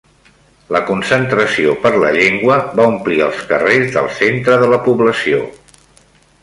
La concentració per la llengua va omplir els carrers del centre de la població